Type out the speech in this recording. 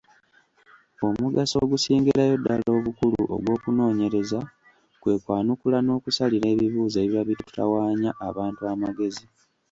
Omugaso ogusingirayo ddala obukulu ogw’okunoonyereza kwe kwanukula n’okusalira ebibuuzo ebiba bitutawaanya abantu amagezi.